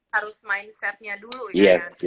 harus mindsetnya dulu ya